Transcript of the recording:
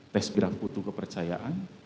tes berangkutu kepercayaan